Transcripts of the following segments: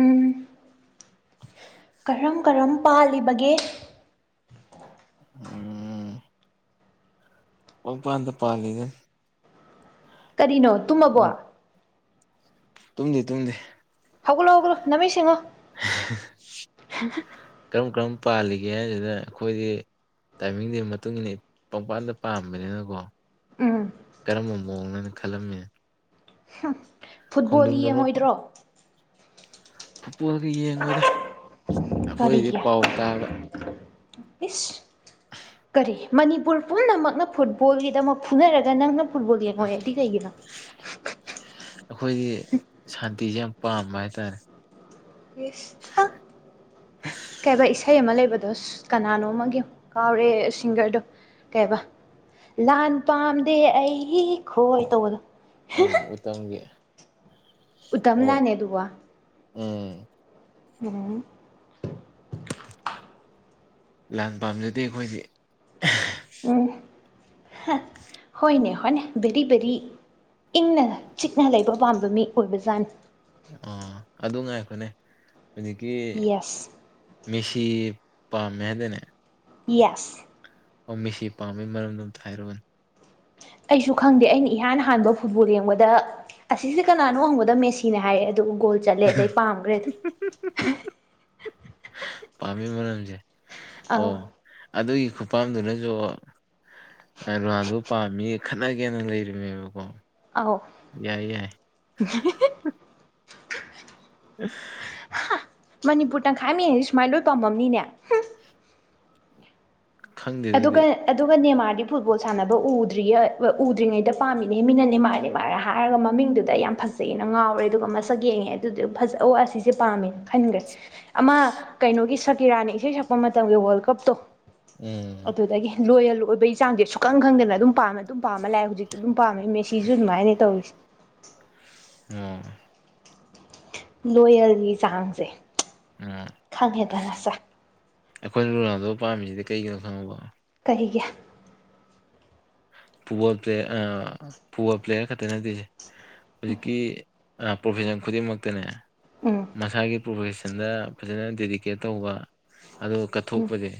ꯑ ꯀꯔꯝ ꯀꯔꯝ ꯄꯥꯜꯂꯤꯕꯒꯦ ꯎꯝ ꯑꯣꯄꯥꯟꯗ ꯄꯥꯜꯂꯤꯅꯦ ꯀꯔꯤꯅꯣ ꯇꯨꯝꯃꯕꯣ ꯇꯨꯝꯗꯤ ꯇꯨꯝꯗꯤ ꯍꯧꯒꯠꯂꯣ ꯍꯧꯒꯂꯣ ꯅꯃꯤ ꯉꯣ ꯀꯔꯝ ꯀꯔꯝ ꯄꯥꯜꯂꯤꯒꯦ ꯍꯥꯏꯕꯁꯤꯗ ꯑꯩꯈꯣꯏꯗꯤ ꯇꯥꯏꯃꯤꯡꯗꯨ ꯃꯇꯨꯡ ꯏꯟꯅ ꯄꯪꯄꯥꯟꯗ ꯄꯥꯝꯕꯅꯤꯅꯀꯣ ꯎꯝ ꯀꯔꯝꯕ ꯃꯑꯣꯡꯅꯣꯅ ꯈꯜꯂꯝꯃꯤ ꯐꯨꯠꯕꯣꯜꯒꯤ ꯌꯦꯡꯉꯣꯏꯗ꯭ꯔꯣ ꯄꯣꯠꯒ ꯌꯦꯡꯉꯣꯏꯗ ꯑꯩꯈꯣꯏꯗꯤ ꯄꯥꯎ ꯇꯥꯕ ꯃꯤꯁ ꯀꯔꯤ ꯃꯅꯤꯄꯨꯔ ꯄꯨꯝꯅꯃꯛꯅ ꯐꯨꯠꯕꯣꯜꯒꯤꯗꯃꯛ ꯐꯨꯅꯔꯒ ꯅꯪꯅ ꯐꯨꯠꯕꯣꯜ ꯌꯦꯡꯉꯣꯏ ꯑꯗꯨꯗꯤ ꯀꯩꯒꯤꯅꯣ ꯑꯩꯈꯣꯏꯗꯤ ꯁꯥꯟꯇꯤꯁꯦ ꯌꯥꯝ ꯄꯥꯝꯕ ꯍꯥꯏꯇꯥꯔꯦ ꯌꯦ ꯀꯩꯕꯥ ꯏꯁꯩ ꯑꯃ ꯂꯩꯕꯗ ꯑꯗꯣ ꯀꯅꯥꯅꯣ ꯑꯃꯒꯤ ꯀꯥꯎꯔꯦ ꯁꯤꯡꯒꯔꯗꯣ ꯀꯩꯕ ꯂꯥꯟ ꯄꯥꯝꯗꯦ ꯑꯩ ꯈꯣꯏ ꯇꯧꯗ ꯑꯥ ꯎꯇꯝꯒ ꯎꯗꯝ ꯂꯅꯦ ꯑꯗꯨꯒ ꯋꯥ ꯎꯝ ꯎꯝ ꯂꯥꯟ ꯄꯥꯝꯖꯗꯦ ꯑꯩꯈꯣꯏꯗꯤ ꯎꯝ ꯍꯣꯏꯅꯦ ꯍꯣꯏꯅꯦ ꯕꯦꯔꯤ ꯕꯦꯔꯤ ꯏꯪꯅ ꯆꯤꯛꯅ ꯂꯩꯕ ꯄꯥꯝꯕ ꯃꯤ ꯑꯣꯏꯕꯖꯥꯠꯅꯤ ꯑ ꯑꯗꯨ ꯉꯥꯏ ꯑꯩꯈꯅꯦ ꯍꯧꯖꯤꯛꯀꯤ ꯌꯦꯁ ꯃꯦꯁꯤ ꯄꯥ ꯃꯦꯍꯗꯅꯦ ꯌꯦꯁ ꯑ ꯃꯤꯁꯤ ꯄꯥꯝꯃꯤ ꯃꯔꯝꯗꯣꯝꯇ ꯍꯥꯏꯔꯨꯔꯕꯅꯤ ꯑꯩꯁꯨ ꯈꯪꯗꯦ ꯑꯩꯅ ꯏꯍꯥꯟ ꯍꯥꯟꯕ ꯐꯨꯠꯕꯣꯜ ꯌꯦꯡꯕꯗ ꯑꯁꯤꯁꯦ ꯀꯅꯥꯅꯣ ꯍꯪꯕꯗ ꯃꯦꯁꯤꯅꯦ ꯍꯥꯏꯔꯦ ꯑꯗꯨ ꯒꯣꯜ ꯆꯠꯂꯦ ꯑꯗꯩ ꯄꯥꯝꯈ꯭ꯔꯦꯗ ꯄꯥꯝꯃꯤ ꯃꯅꯝꯁꯦ ꯑꯧ ꯑꯣ ꯑꯗꯨꯒꯤ ꯈꯨꯐꯝꯝꯗꯨꯅꯁꯨ ꯗꯗ ꯄꯥꯝꯃꯤ ꯈꯠꯅ ꯀꯦꯅ ꯂꯩꯃꯦꯕꯀꯣ ꯑꯧ ꯌꯥꯏꯏ ꯌꯥꯏ ꯑ ꯃꯅꯤꯄꯨꯔ ꯇꯪꯈꯥꯏ ꯃꯤ ꯍꯥꯏꯁꯦ ꯁꯨꯃꯥꯏꯅ ꯂꯣꯏ ꯄꯥꯝꯃꯝꯅꯤꯅꯦ ꯈꯪꯗꯦ ꯑꯗꯨꯗꯤ ꯑꯗꯨꯒ ꯑꯗꯨꯒꯅꯦꯦ ꯃꯥ ꯐꯨꯠꯕꯣꯜ ꯁꯥꯟꯅꯕ ꯎꯗ꯭ꯔꯤ ꯎꯗ꯭ꯔꯤꯉꯩꯗ ꯄꯥꯝꯃꯤꯅꯦ ꯃꯤꯅꯅꯦ ꯃꯥꯥꯏꯅꯦ ꯃꯥꯔ ꯍꯥꯏꯔꯒ ꯃꯃꯤꯡꯗꯨꯗ ꯌꯥꯝ ꯐꯖꯩꯑꯅ ꯉꯥꯎꯔꯦ ꯑꯗꯨꯒ ꯃꯁꯛ ꯌꯦꯡꯉꯦ ꯑꯗꯨꯗꯤ ꯐꯖ ꯑꯣ ꯑꯁꯤꯁꯦ ꯄꯥꯝꯃꯦꯅ ꯈꯟꯈ꯭ꯔꯦ ꯑꯃ ꯀꯩꯅꯣꯒꯤ ꯁꯀꯤꯔꯥꯅ ꯏꯁꯩ ꯁꯛꯄ ꯃꯇꯝꯒꯤ ꯋꯥꯔꯜ ꯀꯞꯇꯣ ꯎꯝ ꯂꯣꯏꯍ ꯂꯣꯏꯕ ꯏꯥꯡꯁꯦ ꯁꯨꯛꯪ ꯈꯪꯗꯅ ꯑꯗꯨꯝ ꯄꯥꯝꯝꯕꯅꯤ ꯑꯗꯨꯝ ꯄꯥꯝꯕ ꯂꯑꯦꯖꯤꯛꯇꯤ ꯑꯗꯨꯝ ꯄꯥꯝꯃꯦ ꯃꯦꯁꯤꯁꯨ ꯑꯗꯨꯃꯥꯏꯅ ꯇꯧꯔꯤꯁꯦ ꯑꯣ ꯂꯣꯌꯦꯜꯒꯤ ꯆꯥꯡꯁꯦ ꯎꯝ ꯈꯪꯉꯦꯗꯅ ꯁꯥꯔ ꯑꯩꯈꯣꯏꯅ ꯂꯨꯨꯔꯜꯗꯕ ꯄꯥꯝꯃꯤꯁꯤꯗꯤ ꯀꯩꯒꯤꯅꯣ ꯈꯪꯉꯕ ꯁꯍꯤꯒꯤ ꯐꯨꯠꯕꯣꯜ ꯄ꯭ꯂꯦ ꯐꯨꯠꯕꯣꯜ ꯄ꯭ꯂꯦꯌꯔ ꯈꯛꯇ ꯅꯠꯇꯦꯁꯦ ꯍꯧꯖꯤꯛꯀꯤ ꯄ꯭ꯔꯣꯐꯦꯁꯟ ꯈꯨꯗꯤꯡꯃꯛꯇꯅꯦ ꯎꯝ ꯃꯁꯥꯒꯤ ꯄ꯭ꯔꯣꯐꯦꯁꯟ ꯐꯖꯗ ꯐꯖꯅ ꯗꯦꯗꯤꯀꯦꯠ ꯇꯧꯕ ꯑꯗꯨꯒ ꯎꯝ ꯀꯠꯊꯣꯛꯄꯁꯦ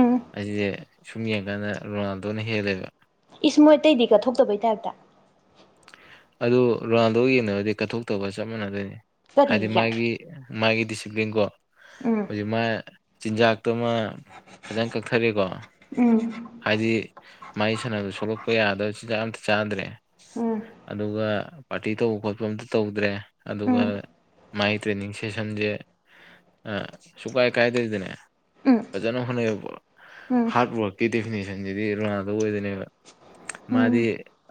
ꯎꯝ ꯑꯁꯤꯁꯦ ꯁꯨꯝ ꯌꯦꯡꯀꯥꯟꯗ ꯔꯣꯅꯥꯜꯗꯣꯅ ꯍꯦꯜꯂꯦꯕ ꯏꯁ ꯃꯣꯏ ꯑꯇꯩꯗꯤ ꯀꯠꯊꯣꯛꯇꯕꯩ ꯇꯥꯏꯞꯇ ꯑꯗꯨ ꯔꯥꯟꯗꯣ ꯌꯦꯡꯗꯔꯗꯤ ꯀꯠꯊꯣꯛꯇꯒ ꯆꯞ ꯃꯥꯟꯅꯗꯣꯏꯅꯤ ꯍꯥꯏꯗꯤ ꯀꯔꯤꯒꯤ ꯃꯥꯒꯤ ꯃꯥꯒꯤ ꯗꯤꯁꯤꯄ꯭ꯂꯤꯟ ꯀꯣ ꯎꯝ ꯍꯧꯖꯤꯛ ꯃꯥ ꯆꯤꯟꯖꯥꯛ ꯀ ꯇꯨꯃ ꯐꯖꯅ ꯀꯛꯊꯔꯤꯀꯣ ꯎꯝ ꯍꯥꯏꯗꯤ ꯃꯥꯏ ꯁꯥꯟꯅꯕꯗ ꯁꯣꯛꯂꯛꯄ ꯌꯥꯗꯕ ꯆꯤꯟꯖꯥꯛ ꯑꯝꯇ ꯆꯥꯗ꯭ꯔꯦ ꯎꯝ ꯑꯗꯨꯒ ꯄꯥꯔꯇꯤ ꯇꯧꯕ ꯈꯣꯠꯄ ꯑꯇ ꯇꯧꯗ꯭ꯔꯦ ꯑꯗꯨꯒ ꯎꯝ ꯃꯒꯤ ꯇ꯭ꯔꯦꯅꯤꯡ ꯁꯦꯁꯟꯁꯦ ꯁꯨꯀꯥꯏ ꯀꯥꯏꯗꯣꯏꯗꯅꯦ ꯎꯝ ꯐꯖꯅ ꯍꯣꯠꯅꯩꯑꯕ ꯎꯝ ꯍꯥꯔꯠ ꯋꯥꯔꯛꯀꯤ ꯗꯗꯤꯐꯤꯅꯤꯁꯟꯁꯤꯗꯤ ꯔꯣꯅꯥꯜꯗꯣ ꯑꯣꯏꯗꯣꯏꯅꯦꯕ ꯃꯥꯗꯤ ꯎꯝ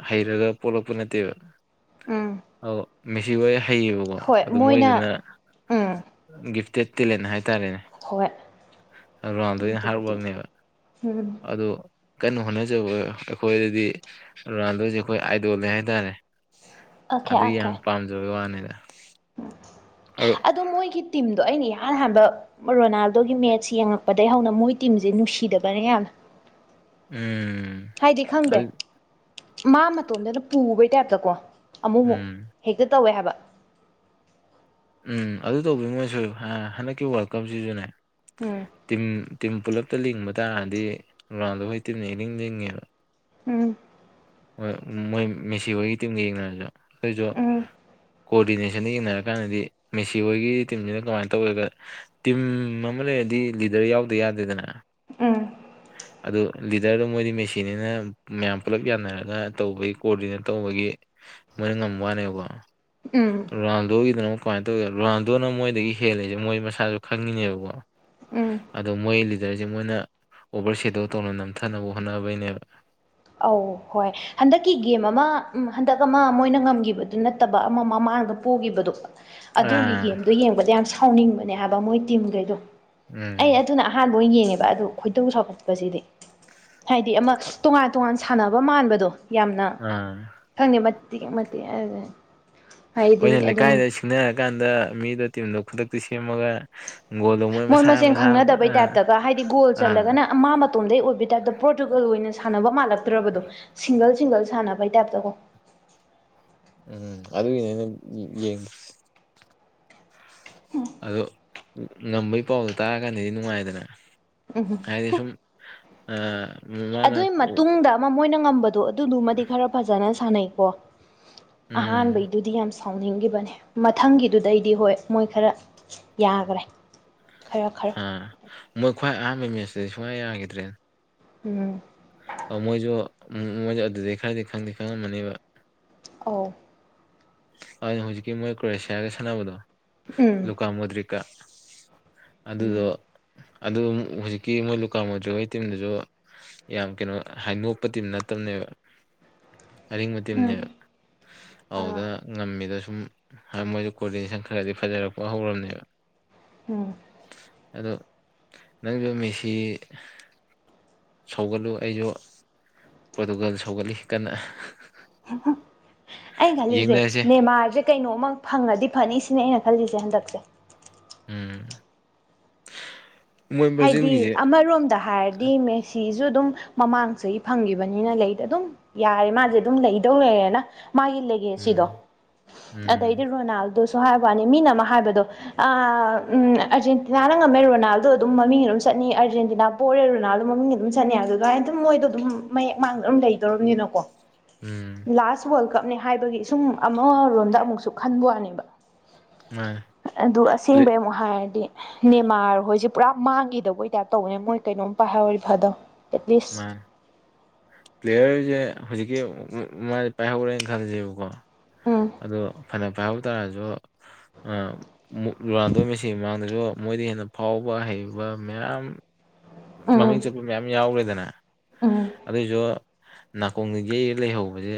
ꯍꯩꯔꯒ ꯄꯣꯛꯂꯛꯄ ꯅꯠꯇꯦꯕ ꯎꯝ ꯑ ꯃꯦꯁꯤ ꯍ ꯍꯩꯌꯦꯕꯀꯣ ꯍꯣꯏ ꯑꯗꯨ ꯃꯣꯏꯅ ꯃꯣꯏꯗꯨꯅ ꯎꯝ ꯒꯤꯐꯇꯦꯠ ꯇꯦꯂꯦꯟ ꯍꯥꯏꯇꯥꯔꯦꯅꯦ ꯍꯣꯏ ꯔꯥꯎꯟꯗ ꯑꯩꯅ ꯑꯗꯨꯕꯨꯗꯤ ꯍꯥꯏꯔꯛꯄꯅꯦꯕ ꯎꯝ ꯑꯗꯨ ꯀꯟꯅꯣ ꯍꯣꯠꯅꯖꯕ ꯑꯩꯈꯣꯏꯗꯗꯤ ꯔꯣꯅꯥꯜꯗꯣꯁꯦ ꯑꯩꯈꯣꯏ ꯑꯥꯏꯗꯣꯜꯅꯦ ꯍꯥꯏꯇꯥꯔꯦ ꯑꯣꯀꯦ ꯑꯗꯨ ꯑꯣꯀꯦ ꯌꯥꯝ ꯄꯥꯝꯖꯕꯒꯤ ꯋꯥꯅꯤꯗ ꯑꯗꯨ ꯑꯗꯣ ꯃꯣꯏꯒꯤ ꯇꯤꯝꯗꯣ ꯑꯩꯅ ꯌꯥꯝ ꯏꯍꯥꯟ ꯍꯥꯟꯕ ꯔꯣꯅꯥꯜꯗꯣꯒꯤ ꯃꯦꯠꯁ ꯌꯦꯡꯉꯛꯄꯗꯒꯤꯩ ꯍꯧꯅ ꯃꯣꯏ ꯇꯤꯝꯁꯦ ꯅꯨꯡꯁꯤꯗꯕꯅꯦ ꯌꯥꯝꯅ ꯎꯝ ꯍꯥꯏꯗꯤ ꯈꯪꯗꯦ ꯑꯗꯨ ꯃꯥ ꯃꯇꯣꯝꯗꯅ ꯄꯨꯕꯩ ꯇꯥꯏꯞꯇꯀꯣ ꯑꯃꯨꯛꯃꯨꯛ ꯎꯝ ꯍꯦꯛꯇ ꯇꯧꯋꯦ ꯍꯥꯏꯕ ꯎꯝ ꯑꯗꯨ ꯇꯧꯕꯤ ꯃꯣꯏꯁꯨ ꯍꯟꯗꯛꯀꯤ ꯋꯥꯔꯜ ꯀꯞꯁꯤꯁꯨꯅꯦ ꯎꯝ ꯇꯤꯝ ꯇꯤꯝ ꯄꯨꯜꯂꯞꯇ ꯂꯤꯡꯕ ꯇꯥꯔꯗꯤ ꯔꯒ꯭ꯔꯥꯎꯟꯗꯣ ꯑꯩꯈꯣꯏ ꯇꯤꯝꯅ ꯏꯂꯤꯡ ꯂꯤꯡꯉꯦꯕ ꯎꯝ ꯃꯣꯏ ꯃꯦꯁꯤ ꯍꯣꯏꯒꯤ ꯇꯤꯝꯒ ꯌꯦꯡꯅꯔꯁꯨ ꯑꯩꯈꯣꯏꯁꯨ ꯎꯝ ꯀꯣꯑꯣꯗꯤꯅꯦꯁꯟꯗ ꯌꯦꯡꯅꯔꯀꯥꯟꯗꯗꯤ ꯃꯦꯁꯤ ꯍꯣꯏꯒꯤ ꯇꯤꯝꯁꯤꯅ ꯀꯃꯥꯏꯅ ꯇꯧꯒꯒ ꯇꯤꯝ ꯑꯃ ꯍꯠ ꯂꯩꯔꯗꯤ ꯂꯤꯗꯔ ꯌꯥꯎꯗ ꯌꯥꯗꯦꯗꯅ ꯎꯝ ꯎ ꯑꯗꯨ ꯂꯤꯗꯔꯗꯣ ꯃꯣꯏꯗꯤ ꯃꯦꯆꯤꯅꯤꯅ ꯃꯌꯥꯝ ꯄꯨꯜꯂꯞ ꯌꯥꯅꯔꯒ ꯇꯧꯕꯒꯤ ꯀꯣꯔꯇꯅ ꯇꯧꯕꯒꯤ ꯃ ꯉꯝꯋꯥꯅꯦ ꯎꯝ ꯔꯣꯗꯣ ꯑꯗꯨꯅꯣ ꯀꯃꯥꯏꯅ ꯇꯧꯒꯦ ꯔꯥꯎꯗꯣꯅ ꯃꯣꯏꯗꯒꯤ ꯍꯦꯜꯜꯂꯤꯁꯦ ꯃꯣꯏ ꯃꯁꯥꯁꯨ ꯈꯪꯉꯤꯅꯦꯕꯀꯣ ꯎꯝ ꯑꯗꯣ ꯃꯣꯏ ꯂꯤꯗꯔꯁꯦ ꯃꯣꯏꯅ ꯑꯣꯚꯔ ꯁꯦꯗꯨꯜ ꯇꯧꯅ ꯅꯝꯊꯅꯕ ꯍꯣꯠꯅꯕꯩꯅꯦꯕ ꯑꯧ ꯍꯣꯏ ꯍꯟꯗꯛꯀꯤ ꯒꯦꯝ ꯑꯃ ꯎ ꯍꯟꯗꯛ ꯑꯃ ꯃꯣꯏꯅ ꯉꯝꯒꯤꯈꯤꯕꯗꯨ ꯅꯠꯇꯕ ꯑꯃ ꯑꯃ ꯑꯉꯥꯡꯗ ꯄꯨꯈꯤꯕꯗꯨꯣ ꯑꯗꯨꯒꯤ ꯑꯥ ꯒꯦꯝꯗꯣ ꯌꯦꯡꯕꯗ ꯌꯥꯝ ꯁꯥꯎꯅꯤꯡꯕꯅꯦ ꯍꯥꯏꯕ ꯃꯣꯏ ꯇꯤꯝꯈꯩꯗꯣ ꯑꯩ ꯎꯝ ꯑꯗꯨꯅ ꯑꯍꯥꯟꯕ ꯣꯏ ꯌꯦꯡꯉꯦꯕ ꯑꯗꯨ ꯈꯣꯏꯗꯧ ꯁꯧꯒꯠꯄꯁꯤꯗꯤ ꯍꯥꯏꯗꯤ ꯑꯃꯉ ꯁꯥꯟꯅꯕ ꯃꯥꯟꯕꯗꯣ ꯌꯥꯝꯅ ꯑꯥ ꯈꯪꯗꯦ ꯃꯇꯦꯛ ꯃꯇꯦꯛ ꯑꯗꯨ ꯑꯩꯣꯏꯅ ꯂꯩꯀꯥꯏꯗ ꯁꯤꯡꯅꯔꯀꯥꯟꯗ ꯃꯤꯗꯣ ꯇꯤꯝꯗꯣ ꯈꯨꯗꯛꯇꯤ ꯁꯦꯝꯃꯒ ꯒꯣꯜꯗꯣ ꯃꯣꯏ ꯃꯁꯥ ꯃꯁꯦꯟ ꯃꯁꯥ ꯈꯪꯅꯗꯕꯩ ꯑꯥ ꯇꯥꯏꯞꯇꯒ ꯍꯥꯏꯗꯤ ꯒꯣꯜ ꯑꯥ ꯆꯜꯂꯒꯅ ꯑꯃ ꯃꯇꯣꯝꯗꯩ ꯑꯣꯏꯕ ꯇꯥꯏꯞꯇ ꯄ꯭ꯔꯣꯇꯨꯒꯜ ꯑꯣꯏꯅ ꯁꯥꯟꯅꯕ ꯃꯥꯜꯂꯛꯇ꯭ꯔꯕꯗꯣ ꯁꯤꯡꯒꯜ ꯁꯤꯡꯒꯜ ꯁꯥꯟꯅꯕꯩ ꯇꯥꯏꯞꯇꯀꯣ ꯎꯝ ꯑꯗꯨꯒꯤꯅꯦ ꯑꯩꯅ ꯌꯦꯡꯉ ꯑꯗꯣ ꯉꯝꯕꯩ ꯄꯥꯎꯗꯣ ꯇꯥꯔꯀꯥꯟꯗꯗꯤ ꯅꯨꯡꯉꯥꯏꯗꯅ ꯎꯝ ꯑꯩꯗꯁꯝ ꯑ ꯑꯗꯨꯒꯤ ꯃꯇꯨꯡꯗ ꯑꯃ ꯃꯣꯏꯅ ꯉꯝꯕꯗꯣ ꯑꯗꯨꯗꯨꯃꯗꯤ ꯈꯔ ꯐꯖꯅ ꯁꯥꯟꯅꯩꯀꯣ ꯎꯝ ꯑꯍꯥꯟꯩꯗꯨꯙ ꯌꯥꯝ ꯐꯥꯎꯅꯤꯡꯈꯤꯕꯅꯦ ꯃꯊꯪꯒꯤꯗꯨꯗꯩꯗꯤ ꯍꯣꯏ ꯃꯣꯏ ꯈꯔ ꯌꯥꯈ꯭ꯔꯦ ꯈꯔ ꯈꯔ ꯍꯥ ꯃꯣꯏ ꯈ꯭ꯋꯥꯏ ꯑꯍꯥꯟꯕ ꯃꯤꯁꯤꯗꯤ ꯁꯨꯡꯌꯥ ꯌꯥꯈꯤꯗ꯭ꯔꯦ ꯎꯝ ꯑꯣ ꯃꯣꯏꯁꯨ ꯃꯣꯏꯁꯨ ꯑꯗꯨꯗꯤ ꯈꯔꯗꯤ ꯈꯪꯗꯤꯦ ꯈꯪꯉꯝꯃꯅꯦꯕ ꯑ ꯑꯗꯨꯅ ꯍꯧꯖꯤꯛꯀꯤ ꯃꯣꯏ ꯀ꯭ꯔꯣꯑꯁꯤꯌꯥꯒ ꯁꯥꯟꯅꯕꯗꯣ ꯎꯝ ꯂꯨꯀꯥ ꯃꯣꯗ꯭ꯔꯤꯛꯀ ꯎꯝ ꯑꯗꯨꯗꯣ ꯑꯗꯨ ꯍꯧꯨꯖꯤꯛꯀꯤ ꯃꯣꯏ ꯂꯨꯀꯥ ꯃꯣꯗꯔꯤꯒꯤ ꯇꯤꯝꯗꯨꯁꯨ ꯌꯥꯝ ꯀꯩꯅꯣ ꯍꯥꯏ ꯅꯣꯛꯄ ꯇꯤꯝ ꯅꯠꯇꯕꯅꯦꯕ ꯑꯔꯤꯡꯕ ꯎꯝ ꯇꯤꯝꯅꯦꯕ ꯑꯥ ꯑꯗꯨꯗ ꯝ ꯃꯤꯗ ꯁꯨꯝ ꯃꯣꯏꯗ ꯀꯣꯑꯣꯗꯤꯅꯦꯁꯟ ꯈꯔꯗꯤ ꯐꯖꯔꯛꯄ ꯍꯧꯔꯝꯅꯦꯕ ꯎꯝ ꯑꯗꯣ ꯅꯪꯁꯨ ꯃꯤꯁꯤ ꯁꯧꯒꯠꯂꯨ ꯑꯩꯁꯨ ꯄꯣꯔꯇꯨꯒꯜ ꯁꯧꯒꯠꯂꯤ ꯀꯟꯅ ꯑꯩ ꯈꯜꯂꯤꯁꯦ ꯌꯦꯡꯅꯔꯁꯦ ꯅꯃꯔꯖ ꯀꯩꯅꯣꯝꯃ ꯐꯪꯉꯗꯤ ꯐꯅꯤ ꯁꯤꯅꯦ ꯑꯩꯅ ꯈꯜꯂꯤꯁꯦ ꯍꯟꯗꯛꯁꯦ ꯎꯝ ꯃꯣꯏ ꯍꯥꯏꯗꯤ ꯕ꯭ꯔꯥꯖꯤꯜꯒꯤꯁꯦ ꯑꯃꯔꯣꯝꯗ ꯍꯥꯏꯔꯗꯤ ꯃ ꯁꯤꯤꯁꯨ ꯑꯗꯨꯝ ꯃꯃꯥꯡ ꯆꯍꯤ ꯐꯪꯈꯤꯕꯅꯤꯅ ꯂꯩꯗ ꯑꯗꯨꯝ ꯌꯥꯔꯦ ꯃꯥꯁꯦ ꯑꯗꯨꯝ ꯂꯩꯗꯧ ꯂꯩꯔꯦꯅ ꯃꯥ ꯏꯜꯂꯒꯦ ꯁꯤꯗꯣ ꯎꯝ ꯑꯗꯩꯗꯤ ꯎꯝ ꯔꯣꯅꯥꯜ ꯑꯗꯨꯁꯨ ꯍꯥꯏꯕ ꯋꯥꯅꯤ ꯃꯤꯅ ꯑꯃ ꯍꯥꯏꯕꯗꯣ ꯎ ꯑꯥꯔꯖꯦꯟꯇꯤꯅꯥꯅ ꯉꯝꯃꯦ ꯔꯣꯅꯥꯜꯗꯣ ꯑꯗꯨꯝ ꯃꯃꯤꯡ ꯑꯗꯨꯝ ꯆꯠꯅꯤ ꯑꯔꯖꯦꯟꯇꯤꯅꯥ ꯄꯣꯔꯦ ꯔꯣꯅꯥꯜꯗꯣ ꯃꯃꯤꯡꯒꯤ ꯑꯗꯨꯝ ꯆꯠꯅꯤ ꯑꯗꯨꯥꯏꯅ ꯑꯗꯨꯝ ꯃꯣꯏꯗꯣ ꯑꯗꯨꯝ ꯃꯌꯦꯛ ꯃꯥꯡ ꯂꯩꯗꯧꯔꯕꯝꯅꯤꯅꯣ ꯀꯣ ꯎꯝ ꯂꯥꯁ ꯋꯥꯔꯜ ꯀꯞꯅꯦ ꯍꯥꯏꯕꯒꯤ ꯁꯨꯝ ꯑꯃꯔꯣꯝꯗ ꯑꯃꯨꯛꯁꯨ ꯈꯟꯕ ꯋꯥꯅꯦꯕ ꯃꯥꯅꯦ ꯑꯗꯨ ꯄ꯭ꯂꯦꯠ ꯑꯁꯦꯡꯕꯩ ꯑꯃꯨꯛ ꯍꯥꯏꯔꯗꯤ ꯅꯦꯃꯥꯔ ꯍꯣꯏꯖꯤ ꯄꯨꯔꯥ ꯃꯥꯡꯈꯤꯗꯕ ꯑꯣꯏ ꯇꯥꯏꯞ ꯇꯧꯕꯅꯦ ꯃꯣꯏ ꯀꯩꯅꯣꯝ ꯄꯥꯏꯍꯧꯔꯤ ꯐꯥꯗꯣ ꯃꯥ ꯄ꯭ꯂꯦꯌꯔꯁ ꯍꯧꯖꯤꯛꯀꯤ ꯃꯥꯗꯤ ꯄꯥꯏꯍꯧꯔꯦꯅ ꯈꯜꯁꯦꯕꯀꯣ ꯎꯝ ꯑꯗꯣ ꯐꯅ ꯄꯥꯏꯍꯧ ꯇꯥꯥꯔꯁꯨ ꯂꯨꯔꯥꯟꯗꯣꯏ ꯃꯦꯁꯤ ꯃ ꯑꯗꯨꯁꯨ ꯃꯣꯏꯗ ꯍꯦꯟꯅ ꯐꯥꯎꯕ ꯍꯩꯕ ꯃꯌꯥꯝ ꯎꯝ ꯃꯃꯤꯡ ꯆꯠꯄ ꯃꯌꯥꯝ ꯌꯥꯎꯔꯦꯗꯅ ꯎꯝ ꯑꯗꯨꯏꯁꯨ ꯅꯥꯀꯣꯡꯗꯒꯤ ꯂꯩꯍꯧꯕꯁꯦ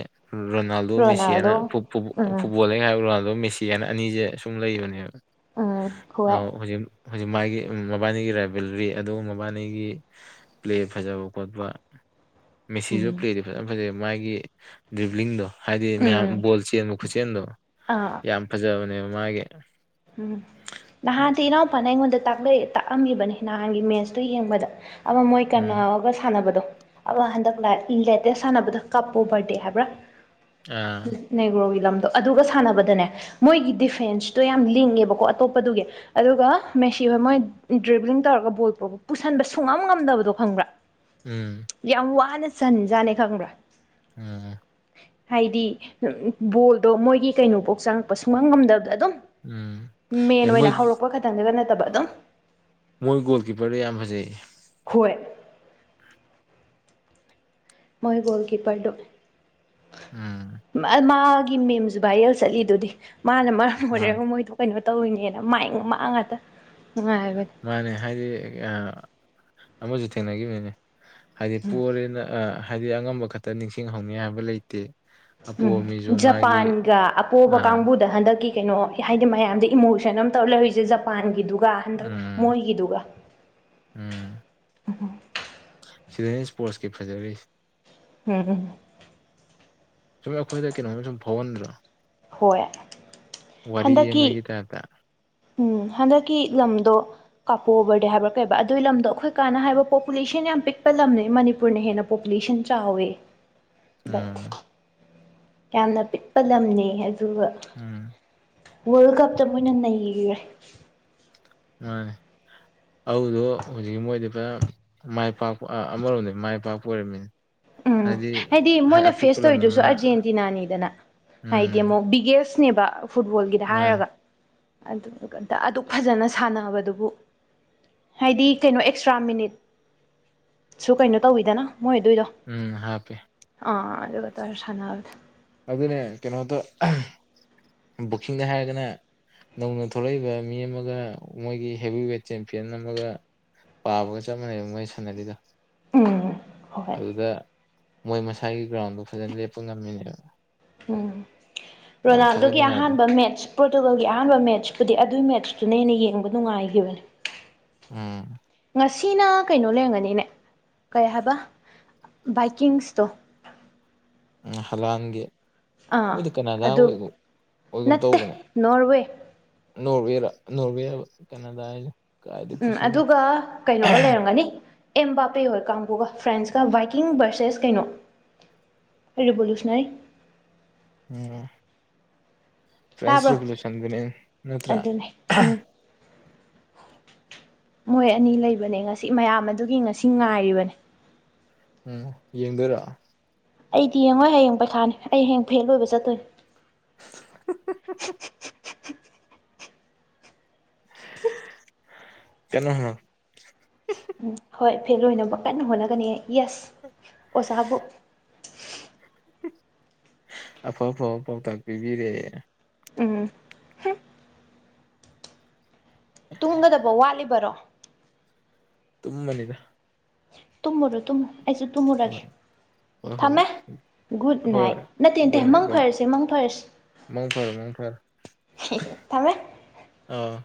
ꯔꯣꯅꯥꯜꯗꯣ ꯃꯦꯁꯤ ꯍꯥꯏꯅ ꯔꯣꯅꯥꯜꯗꯣ ꯎꯝ ꯐꯨꯠꯕꯣꯜꯂ ꯍꯥꯏꯕ ꯔꯣꯅꯥꯜꯗꯣ ꯃꯦꯁꯤ ꯍꯥꯏꯅ ꯑꯅꯤꯁꯦ ꯁꯨꯝ ꯂꯩꯕꯅꯦꯕ ꯎꯝ ꯑ ꯍꯣꯏ ꯍꯧꯖꯤꯛ ꯍꯧꯖꯤꯛ ꯃꯥꯒꯤ ꯃꯕꯥꯅꯤꯒꯤ ꯔꯥꯏꯕꯦꯜꯔꯤ ꯑꯗꯨꯒ ꯕꯥꯅꯤꯒꯤ ꯄ꯭ꯂꯦ ꯐꯖꯕ ꯈꯣꯠꯄ ꯃꯦꯁꯤꯁꯨ ꯎꯝ ꯄ꯭ꯂꯦꯗꯤ ꯐꯖꯅ ꯐꯖꯩ ꯃꯥꯒꯤ ꯗ꯭ꯔꯤꯕꯂꯤꯡꯗꯣ ꯍꯥꯏꯗꯤ ꯃꯌꯥꯝ ꯎꯝ ꯕꯣꯜ ꯆꯦꯟꯕ ꯈꯨꯆꯦꯟꯗꯣ ꯑꯥ ꯌꯥꯝ ꯐꯖꯕꯅꯦꯕ ꯃꯥꯒꯤ ꯎꯝ ꯅꯍꯥꯟ ꯇꯤꯔꯣ ꯄꯅꯦꯗ ꯇꯥꯛꯑꯝꯕꯅꯤ ꯅꯍꯥꯟꯒꯤ ꯃꯦꯠꯁꯇꯨ ꯌꯦꯡꯕꯗ ꯑꯃ ꯃꯣꯏ ꯎꯝ ꯀꯟꯅꯔꯒ ꯁꯥꯟꯅꯕꯗꯣ ꯑ ꯍꯟꯗꯛ ꯂꯦꯇꯦꯁ ꯁꯥꯟꯅꯕꯗ ꯀꯥꯞꯄꯣ ꯕꯔꯗꯦ ꯍꯥꯏꯕ꯭ꯔꯥ ꯑꯥ ꯅꯦꯒ꯭ꯔꯣꯒꯤ ꯂꯝꯗꯣ ꯑꯗꯨꯒ ꯁꯥꯟꯅꯕꯗꯅꯦ ꯃꯣꯏꯒꯤ ꯗꯤꯐꯦꯟꯁꯇꯣ ꯌꯥꯝ ꯌꯥꯝ ꯂꯤꯡꯉꯦꯕꯀꯣ ꯑꯇꯣꯞꯄꯗꯨꯒꯤ ꯑꯗꯨꯒ ꯃꯦꯁꯤ ꯍꯣꯏ ꯃꯣꯏ ꯗ꯭ꯕ꯭ꯂꯤꯡ ꯇꯧꯔꯒ ꯕꯣꯜ ꯄꯄ ꯄꯨꯁꯟꯕ ꯁꯨꯡꯉꯝ ꯉꯝꯗꯕꯗꯣ ꯈꯪꯕ꯭ꯔꯥ ꯎꯝ ꯌꯥꯝ ꯋꯥꯅ ꯁꯟꯖꯥꯠꯅꯦ ꯈꯪꯕ꯭ꯔꯥ ꯎꯝ ꯍꯥꯏꯗꯤ ꯕꯣꯜꯗꯣ ꯃꯣꯏꯒꯤ ꯀꯩꯅꯣꯐꯧ ꯆꯪꯉꯛꯄ ꯁꯨꯡꯉꯝ ꯉꯝꯗꯕꯗ ꯑꯗꯨꯝ ꯎꯝ ꯑꯦ ꯃꯦꯟ ꯃꯣꯏ ꯑꯣꯏꯅ ꯍꯧꯔꯛꯄ ꯈꯛꯇꯪꯗꯨꯒ ꯅꯠꯇꯕ ꯑꯗꯨꯝ ꯃꯣꯏ ꯒꯣꯜ ꯀꯤꯞꯄꯔꯗ ꯌꯥꯝ ꯐꯖꯩꯌꯦ ꯍꯣꯏ ꯃꯣꯏꯒꯣꯜ ꯀꯤ ꯄꯔꯨ ꯎꯝ ꯃꯥ ꯃꯥꯒꯤ ꯃꯦꯝꯁꯨ ꯚꯥꯏꯔꯦꯜ ꯆꯠꯂꯤꯗꯨꯗꯤ ꯃꯥꯅ ꯃꯔꯝ ꯃꯥꯅꯦ ꯑꯣꯏꯔꯒ ꯃꯣꯏꯗꯣ ꯀꯩꯅꯣ ꯇꯧꯔꯤꯅꯦꯅ ꯃꯥꯏ ꯃꯥꯡ ꯉꯥꯛꯇ ꯅꯨꯡꯉꯥꯏꯕꯅꯦ ꯃꯥꯅꯦ ꯍꯥꯏꯗꯤ ꯑꯃꯁꯨ ꯊꯦꯡꯅꯈꯤꯕꯅꯤꯅꯦ ꯍꯥꯏꯗꯤ ꯄꯣꯔꯦꯅ ꯑ ꯍꯥꯏꯗꯤ ꯑꯉꯝꯕ ꯈꯛꯇ ꯅꯤꯡꯁꯤꯡꯍꯧꯅꯤ ꯍꯥꯏꯕ ꯂꯩꯇꯦ ꯎꯝ ꯑꯄꯣꯕ ꯃꯤꯁꯨ ꯃꯥꯒꯤ ꯖꯄꯥꯟꯒ ꯑꯄꯣꯕ ꯑꯥ ꯀꯥꯡꯕꯨꯗ ꯍꯟꯗꯛꯀꯤ ꯀꯩꯅꯣ ꯍꯥꯏꯗꯤ ꯃꯌꯥꯝꯗ ꯏꯃꯣꯁꯟ ꯑꯃ ꯇꯧꯔ ꯂꯩꯔꯤꯁꯦ ꯖꯄꯥꯟꯒꯤꯗꯨ ꯑꯗꯨꯒ ꯍꯟꯗ ꯎꯝ ꯃꯣꯏꯒꯤꯗꯨꯒ ꯁꯤꯗꯩꯅ ꯏꯁꯄꯣꯔꯠꯁꯀꯤ ꯐꯖꯔꯤꯁ ꯎꯝ ꯁ ꯑꯈꯣꯏꯗ ꯀꯩꯅꯣ ꯁꯚꯟ ꯔ ꯍꯣꯏ ꯋꯥꯔꯤꯔꯤ ꯌꯦ ꯍꯟꯗꯛꯀꯤ ꯃꯥꯒꯤ ꯇ ꯑ ꯎꯝ ꯍꯟꯗꯛꯀꯤ ꯂꯝꯗꯣ ꯀꯥꯄꯣꯛꯑꯕꯔ ꯍꯥꯏꯕ꯭ꯔꯥ ꯀꯩꯕ ꯑꯗꯨꯒꯤ ꯂꯝꯗꯣ ꯑꯩꯈꯣꯏ ꯀꯥꯟꯅ ꯍꯥꯏꯕ ꯄꯣꯄꯨꯂꯦꯁꯟ ꯌꯥꯝ ꯄꯤꯛꯄ ꯂꯝꯅꯤ ꯃꯅꯤꯄꯨꯔꯅ ꯍꯦꯟꯅ ꯄꯣ ꯟ ꯆꯥꯎꯋꯦ ꯁ ꯎꯝ ꯌꯥꯝꯅ ꯄꯤꯛꯄ ꯂꯝꯅꯦ ꯑꯗꯨꯒ ꯎꯝ ꯋꯥꯔꯜ ꯀꯞꯇ ꯃꯣꯏꯅ ꯅꯈ꯭ꯔꯦ ꯍꯣꯏ ꯑꯗꯨꯗꯣ ꯍꯧꯖꯤꯛꯀꯤ ꯃꯣꯏꯗꯤ ꯄꯨꯖꯅ ꯃꯥꯏ ꯄꯥꯛꯄ ꯑꯃꯔꯣꯝꯗ ꯃꯥꯏ ꯄꯥꯛꯄ ꯑꯣꯏꯔꯝꯃꯤꯅ ꯎꯝ ꯍꯥꯏꯗꯤ ꯃꯣꯏꯅ ꯐꯦꯁ ꯂꯝ ꯇꯧꯔꯤꯗꯨꯁꯨ ꯑꯃꯅ ꯑꯥꯔꯖꯦꯟꯇꯤꯅꯥꯅꯤꯗꯅ ꯍꯥꯏꯗꯤ ꯎꯝ ꯑꯃꯨꯛ ꯕꯤꯒꯦꯁ ꯁꯅꯦꯕ ꯐꯨꯠꯕꯣꯜꯒꯤꯗ ꯃꯥꯅꯦ ꯍꯥꯏꯔꯒ ꯑꯗꯨꯛ ꯐꯖꯅ ꯁꯥꯟꯅꯕꯗꯨꯕꯨ ꯍꯥꯏꯗꯤ ꯀꯩꯅꯣ ꯑꯦꯛꯁꯇ꯭ꯔꯥ ꯃꯤꯅꯤꯠ ꯁꯨ ꯀꯩꯅꯣ ꯇꯧꯋꯤꯗꯅ ꯃꯣꯏ ꯑꯗꯨꯏꯗꯣ ꯎꯝ ꯍꯥꯄꯤꯦ ꯑꯗ ꯀ ꯇꯔ ꯁꯅꯜ ꯑꯗꯨꯅꯦ ꯀꯩꯅꯣꯗ ꯕꯨꯀꯤꯡꯗ ꯍꯥꯏꯔꯒꯅꯦ ꯅꯧꯅ ꯊꯣꯛꯂꯛꯏꯕ ꯃꯤ ꯑꯃꯒ ꯃꯣꯏꯒꯤ ꯍꯦꯚ ꯋꯦꯠ ꯆꯦꯝꯄꯤꯌꯟ ꯑꯃꯒ ꯄꯥꯕꯒ ꯆꯞ ꯃꯥꯟꯅꯩꯕ ꯃꯩ ꯁꯥꯟꯅꯕꯤꯗ ꯎꯝ ꯍꯣꯏ ꯑꯗꯨꯗ ꯃꯣꯏ ꯃꯁꯥꯒꯤ ꯒ꯭ꯔꯥꯎꯟꯗꯣ ꯐꯖꯅ ꯂꯦꯞꯄ ꯉꯝꯃꯤꯅꯦꯕ ꯎꯝ ꯌꯥꯝ ꯔꯣꯅꯥꯜꯗꯨꯣꯒꯤ ꯊꯥꯒꯠꯅꯤꯡꯉꯥꯏꯗꯣ ꯑꯍꯥꯟꯕ ꯃꯦꯠꯆ ꯄꯣꯔꯇꯨꯒꯜꯒꯤ ꯑꯍꯥꯟꯕ ꯃꯦꯠꯆꯄꯨꯗꯤ ꯑꯗꯨꯏ ꯃꯦꯠꯆ ꯑꯗꯨꯅ ꯍꯦꯟꯅ ꯌꯦꯡꯕ ꯅꯨꯡꯉꯥꯏꯈꯤꯕꯅꯦ ꯎꯝ ꯉꯁꯤꯅ ꯀꯩꯅꯣ ꯂꯩꯔꯝꯒꯅꯤꯅꯦ ꯀꯩ ꯍꯥꯏꯕ ꯕꯥꯏꯀꯤꯡ ꯁꯇꯣ ꯎ ꯍꯂꯥꯟꯦ ꯃꯗꯤ ꯀꯅꯥꯅ ꯑꯗꯨ ꯑꯣꯏ ꯑꯣꯏꯒꯨꯝ ꯅꯠꯇꯦ ꯇꯧꯕꯅꯦ ꯅꯣꯔꯋꯦ ꯅꯣꯔꯋꯦꯔ ꯅꯣꯔꯋꯦ ꯀꯅꯥꯗꯥ ꯍꯥꯏ ꯎꯝ ꯑꯗꯨꯒ ꯀꯩꯅꯣꯒ ꯂꯩꯔꯝꯒꯅꯤ ꯑꯦꯝꯕꯥꯞ ꯍꯥ ꯍꯣꯏ ꯀꯥꯡꯕꯨꯒ ꯐ꯭ꯔꯦꯟꯁꯀ ꯕꯥꯏꯀꯤꯡ ꯕꯔꯁꯦꯁ ꯀꯩꯅꯣ ꯑꯦꯔꯦ ꯣꯂꯣꯁ ꯅ ꯍꯥꯏ ꯎꯝ ꯐ꯭ꯔꯦꯁ ꯇꯥꯕ꯭ꯔꯣ ꯔꯦꯚꯣꯂꯨꯁꯟꯗꯨꯅꯦ ꯅꯠꯇ꯭ꯔ ꯑꯗꯨꯅꯦ ꯎꯝ [unintelligible] ꯃꯣꯏ ꯑꯅꯤ ꯂꯩꯕꯅꯦ ꯉꯁꯤ ꯃꯌꯥꯝ ꯑꯗꯨꯒꯤ ꯉꯁꯤ ꯉꯥꯏꯔꯤꯕꯅꯦ ꯎꯝ ꯌꯦꯡꯗꯔ ꯑꯩꯗꯤ ꯌꯦꯡꯉꯣ ꯍꯌꯦꯡ ꯄꯩꯈꯥꯅꯤ ꯑꯩ ꯍꯌꯦꯡ ꯐꯦꯜ ꯂꯣꯏꯕ ꯆꯠꯇꯣꯏꯅꯤ ꯀꯩꯅꯣ ꯎꯝ ꯍꯣꯏ ꯐꯦ ꯑꯣꯏꯅꯅꯕ ꯀꯟꯅ ꯍꯣꯠꯅꯒꯅꯤ ꯌꯦꯁ ꯑꯣꯖꯥꯕꯨ ꯑꯐ ꯑꯐꯕ ꯄꯥꯎꯇꯥꯛ ꯄꯤꯕꯤꯔꯦ ꯎꯝ ꯇꯨꯝꯒꯗꯕ ꯋꯥꯠꯂꯤꯕꯔꯣ ꯇꯨꯃꯅꯤꯗ ꯇꯨꯝꯃꯨꯔꯣ ꯇꯨꯝꯃ ꯑꯩꯁꯨ ꯇꯨꯝꯃꯨꯔꯒꯦ ꯍꯣꯏ ꯍꯣꯏ ꯍꯣꯏ ꯊꯝꯃꯦ ꯒꯨꯗ ꯍꯣꯏ ꯅꯥꯏꯠ ꯅꯠꯇꯦ ꯅꯠꯇꯦ ꯃꯪ ꯐꯔꯁꯤ ꯃꯪ ꯐꯔꯁꯤ ꯃꯣꯡꯐꯔ ꯃꯣꯡꯐꯔ ꯊꯝꯃꯦ ꯑꯥ